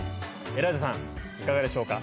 エライザさんいかがでしょうか？